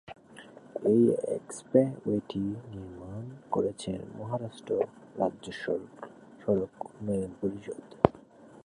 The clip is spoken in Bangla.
এই এক্সপ্রেসওয়েটি নির্মাণ করেছে মহারাষ্ট্র রাজ্য সড়ক উন্নয়ন পর্ষদ।